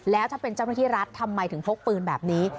แล้วถ้าเป็นเจ้าหน้าที่รัฐทำไมถึงพกปืนแบบนี้